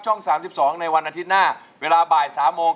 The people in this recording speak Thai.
๓๒ในวันอาทิตย์หน้าเวลาบ่าย๓โมง